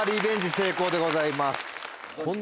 成功でございます。